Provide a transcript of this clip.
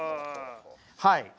はい。